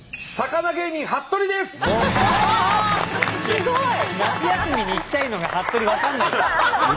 すごい！